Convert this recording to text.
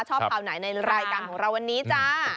ข่าวไหนในรายการของเราวันนี้จ้า